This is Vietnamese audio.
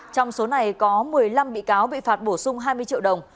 trong số này có một mươi năm bị cáo bị phạt bổ sung hai mươi triệu đồng